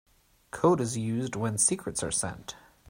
Code is used when secrets are sent.